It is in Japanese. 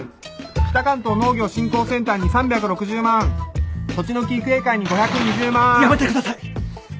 「北関東農業振興センターに３６０万」「とちのき育英会に５２０万」やめてください！